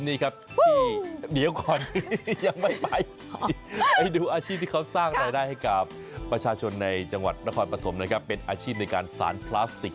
นี่ครับที่เดี๋ยวก่อนนี้ยังไม่ไปไปดูอาชีพที่เขาสร้างรายได้ให้กับประชาชนในจังหวัดนครปฐมนะครับเป็นอาชีพในการสารพลาสติก